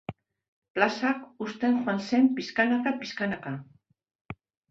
Plazak uzten joan zen pixkanaka-pixkanaka.